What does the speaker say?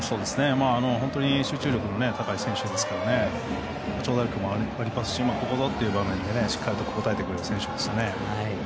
本当に集中力の高い選手ですし長打力もありますしここぞという場面で応えてくれる選手でしたね。